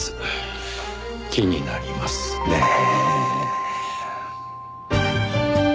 気になりますねぇ。